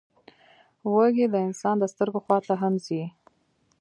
وزې د انسان د سترګو خوا ته هم ځي